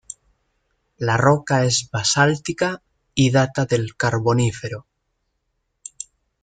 La roca es basáltica y data del Carbonífero.